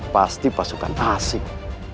pasti pasukan asing